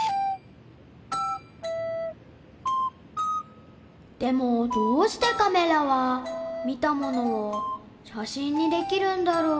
心の声でもどうしてカメラは見たものを写真にできるんだろう？